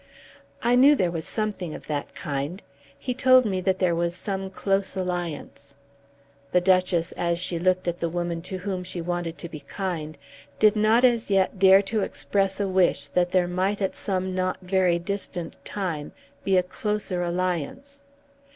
"I knew there was something of that kind. He told me that there was some close alliance." The Duchess as she looked at the woman to whom she wanted to be kind did not as yet dare to express a wish that there might at some not very distant time be a closer alliance.